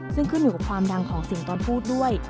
ซึ่งขึ้นอยู่กับความดังของเสียงตอนพูดด้วย